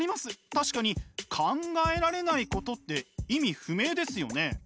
確かに「考えられないこと」って意味不明ですよね？